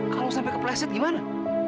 kalau sampai kepleset gimana